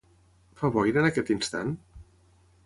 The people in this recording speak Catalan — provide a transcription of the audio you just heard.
Fa boira en aquest instant?